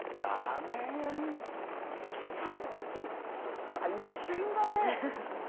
ラーメン屋に行きたいって、それ大変だね。